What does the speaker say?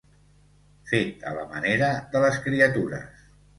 Fet a la manera de les criatures.